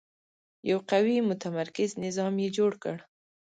یو قوي متمرکز نظام یې جوړ کړ.